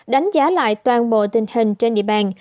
đánh giá lại toàn bộ tình hình trên địa bàn